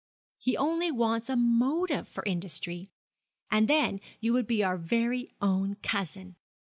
He only wants a motive for industry. And then you would be our very own cousin!